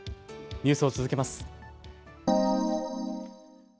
ニュースを続けます。